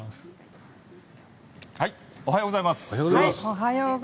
おはようございます。